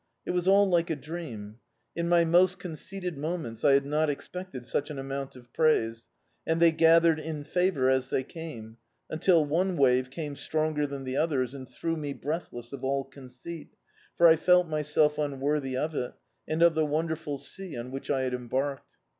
It was all like a dream. In my most conceited mcments I had not expected such an amount of praise, and they gathered in favour as they came, until one wave came stronger than the others and threw me breathless of all conceit, for I felt myself imworthy of it, and of the wonderful sea on which I had embarked.